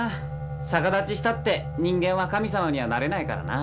逆立ちしたって人間は神様にはなれないからな。